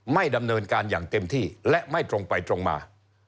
ไม่ดำเนินการอย่างเต็มที่และไม่ตรงไปตรงมา